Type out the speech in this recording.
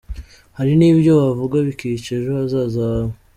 Hari n’ibyo wavuga bikica ejo hazaza hawe.